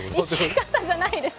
生き方じゃないです